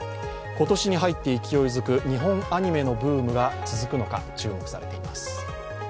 今年に入って勢いづく、日本アニメのブームが続くのか、注目されます。